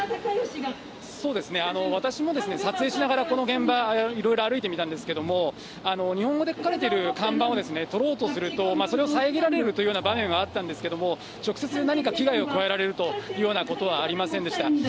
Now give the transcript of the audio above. そうですね、私も撮影しながら、この現場、いろいろ歩いてみたんですけれども、日本語で書かれている看板を撮ろうとすると、それを遮られるというような場面もあったんですけれども、直接、何か危害を加えられるというようなことはありませんでした。